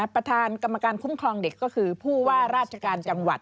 ประธานกรรมการคุ้มครองเด็กก็คือผู้ว่าราชการจังหวัด